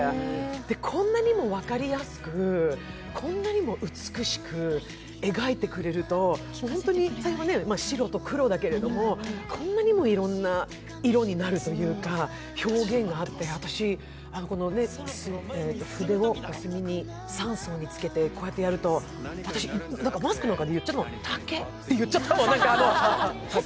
こんなにも分かりやすくこんなにも美しく描いてくれると、本当に白と黒だけれども、こんなにもいろんな色になるというか、表現があって、私、この筆を墨に３層につけるとこうやってやると、マスクの中で言っちゃったもん、「竹」って。